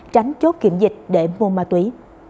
tránh chốt kiểm dịch để mua ma túy